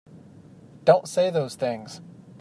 Don't say those things!